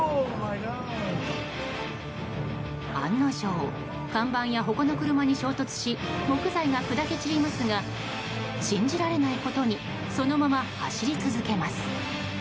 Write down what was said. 案の定、看板や他の車に衝突し木材が砕け散りますが信じられないことにそのまま走り続けます。